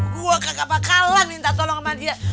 gue bakalan minta tolong sama dia